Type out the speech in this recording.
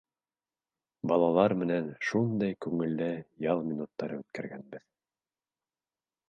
Балалар менән шундай күңелле ял минуттары үткәргәнбеҙ.